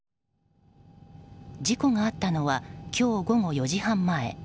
事故があったのは今日午後４時半前。